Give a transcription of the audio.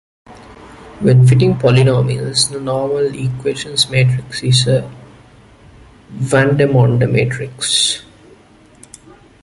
When fitting polynomials the normal equations matrix is a Vandermonde matrix.